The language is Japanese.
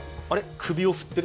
首を振ってる。